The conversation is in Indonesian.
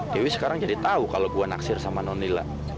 dewi sekarang jadi tahu kalau gue naksir sama nonila